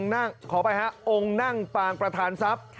องค์นั่งพลางประธานทรัพย์